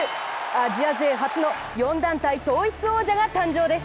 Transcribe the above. アジア勢初の４団体統一王者が誕生です。